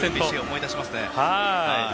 思い出しますね。